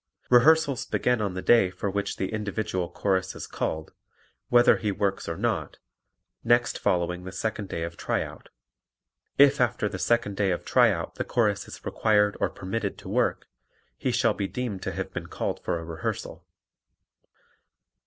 Rehearsals begin on the day for which the individual Chorus is called whether he works or not next following the second day of tryout. If after the second day of tryout the Chorus is required or permitted to work, he shall be deemed to have been called for a rehearsal.